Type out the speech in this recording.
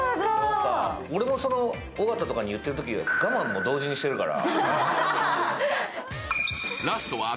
俺も尾形とかに言ってるとき、我慢も同時にしてるから。